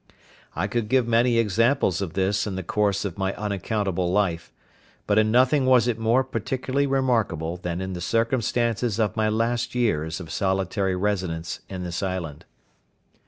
I could give many examples of this in the course of my unaccountable life; but in nothing was it more particularly remarkable than in the circumstances of my last years of solitary residence in this island.